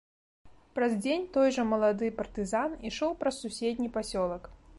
Праз дзень той жа малады партызан ішоў праз суседні пасёлак.